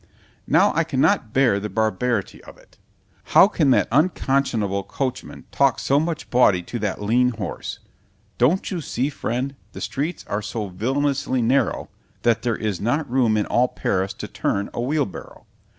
Now I cannot bear the barbarity of it; how can that unconscionable coachman talk so much bawdy to that lean horse? don't you see, friend, the streets are so villanously narrow, that there is not room in all Paris to turn a wheelbarrow?